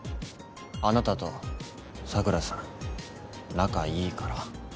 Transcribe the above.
あなたと桜さん仲いいから。